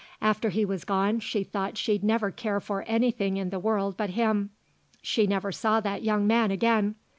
After he was gone she thought she'd never cared for anything in the world but him. She never saw that young man again.